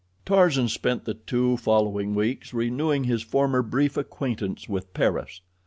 Tarzan spent the two following weeks renewing his former brief acquaintance with Paris.